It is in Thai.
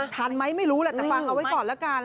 ทันไหมไม่รู้แหละแต่ฟังเอาไว้ก่อนละกัน